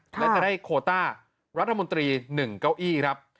และจะได้โคต้ารัฐมนตรี๑เก้าอี้ครับ